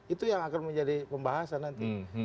itu yang akan menjadi pembahasan nanti